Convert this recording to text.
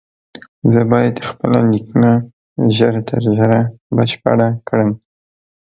زه بايد خپله ليکنه ژر تر ژره بشپړه کړم